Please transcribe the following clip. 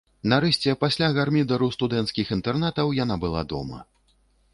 Нарэшце, пасля гармідару студэнцкіх інтэрнатаў, яна была дома.